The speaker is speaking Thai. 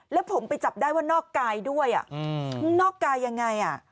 แล้วผมไปจับได้ว่านอกกายด้วยนอกกายยังไง